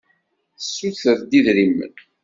Tessuter-d idrimen.